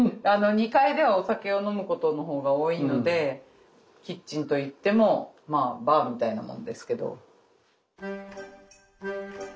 ２階ではお酒を飲むことの方が多いのでキッチンといってもバーみたいなもんですけど。